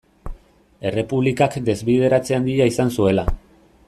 Errepublikak desbideratze handia izan zuela.